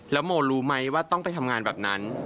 แล้วโมรู้ไหมว่าต้องไปทำงานแบบนั้น